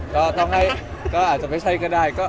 ก็อาจจะไม่ใช่ก็ได้